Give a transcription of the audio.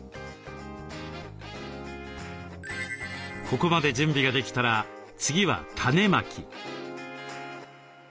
ここまで準備ができたら次は種まき。